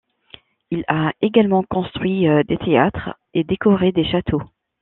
Il a également construit des théâtres et décoré des châteaux.